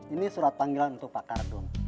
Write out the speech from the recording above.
ini surat panggilan untuk pak kardung